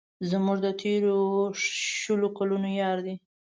زموږ د تېرو شلو کلونو یار دی.